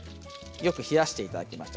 よく冷やしていただきました。